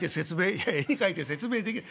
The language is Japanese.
「いや絵に描いて説明できない。